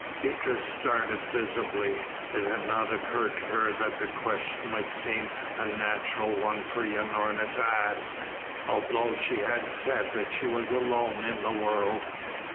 Beatrice started visibly. It had not occurred to her that the question might seem a natural one for Unorna to ask, although she had said that she was alone in the world.